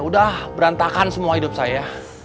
udah berantakan semua hidup saya